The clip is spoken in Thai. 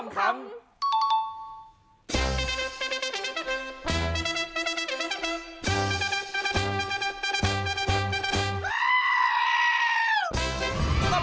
มันถึงหนึ่ง